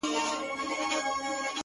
اوس پر ما لري!